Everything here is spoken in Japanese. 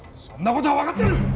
そんな事は分かってる！